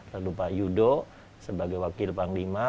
lalu pak yudo sebagai wakil panglima